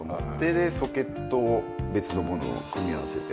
でソケットを別の物を組み合わせて。